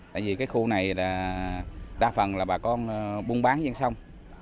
tại vì cái khu này là đa phần là bà con buôn bán